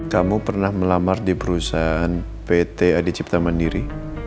kamu pernah melamar di perusahaan pt adi cipta mandiri